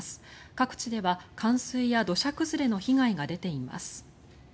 各地では冠水や土砂崩れの被害が出ています。